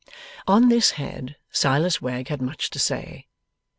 On this head, Silas Wegg had much to say.